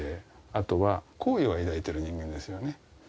あとは好意を抱いている人間ですよね。